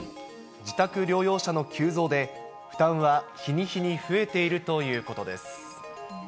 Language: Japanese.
自宅療養者の急増で、負担は日に日に増えているということです。